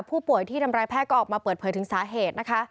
ผู้ป่วยที่ทำร้ายแพทย์ก็ออกมาเปิดเผยถึงสาเหตุนะคะ